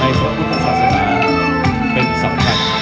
รวมถึงใฟมีสวินตรีความรกต่อมา